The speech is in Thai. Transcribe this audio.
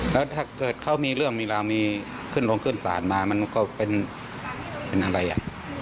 แล้วถ้าเกิดเขามีเรื่องมีราวมีขึ้นลงขึ้นศาลมามันก็เป็นอะไรอ่ะ